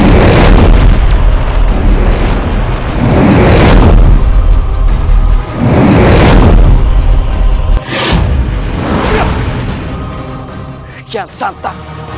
kau tidak akan bisa melepaskanmu